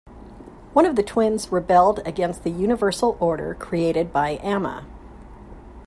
One of the twins rebelled against the universal order created by Amma.